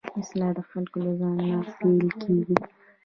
اصلاح د خلکو له ځان نه پيل کېږي.